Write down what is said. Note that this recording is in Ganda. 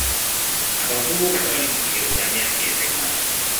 Abavubuka bali mu kigero kya myaka emeka?